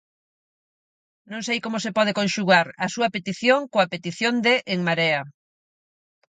Non sei como se pode conxugar a súa petición coa petición de En Marea.